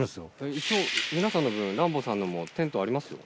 一応皆さんの分ランボーさんのもテントありますよ。